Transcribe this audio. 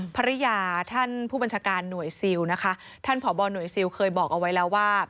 ภรรยาท่านผู้บัญชาการหน่วยซิลนะคะท่านผอบอหน่วยซิลเคยบอกเอาไว้แล้วว่า